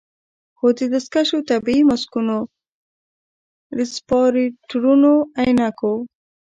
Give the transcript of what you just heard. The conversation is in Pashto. خو د دستکشو، طبي ماسکونو، رسپايرتورونو، عينکو